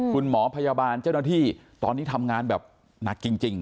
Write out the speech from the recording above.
คุณหมอพยาบาลเจ้าหน้าที่ตอนนี้ทำงานแบบหนักจริง